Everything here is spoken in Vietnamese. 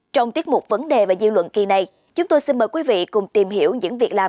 trong tiết mục vấn đề và dư luận kỳ này chúng tôi xin mời quý vị cùng tìm hiểu những việc làm